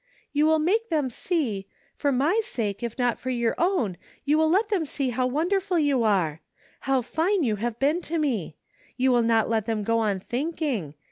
" You will make them see — for my sake if not for yotu" own you will let them see how wonderful you are ! How fine you have been to me ! You will not let them go on thinking.